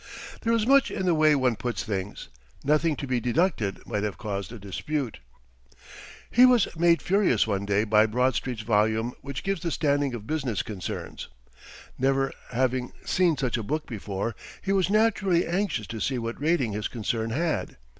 There is much in the way one puts things. "Nothing to be deducted" might have caused a dispute. [Illustration: THOMAS MORRISON CARNEGIE] He was made furious one day by Bradstreet's volume which gives the standing of business concerns. Never having seen such a book before, he was naturally anxious to see what rating his concern had.